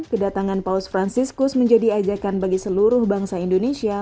kedatangan paus franciscus menjadi ajakan bagi seluruh bangsa indonesia